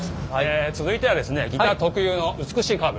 続いてはですねギター特有の美しいカーブ。